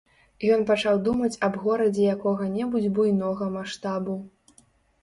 Ён пачаў думаць аб горадзе якога-небудзь буйнога маштабу.